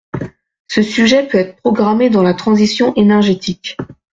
Ce sujet peut être programmé dans la transition énergétique.